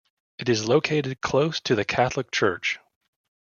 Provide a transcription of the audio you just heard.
It is located close to the Catholic church.